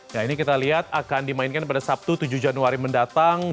nah ini kita lihat akan dimainkan pada sabtu tujuh januari mendatang